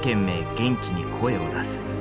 元気に声を出す」。